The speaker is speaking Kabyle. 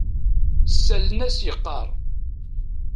Ssalen-as yeqqar.